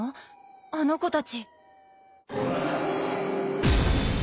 あの子たち。